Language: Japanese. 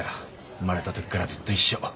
生まれたときからずっと一緒。